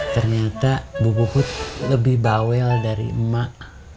ternyata buku lebih bawel dari emak